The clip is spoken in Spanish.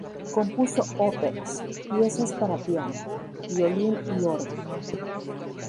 Compuso óperas, piezas para piano, violín y órgano.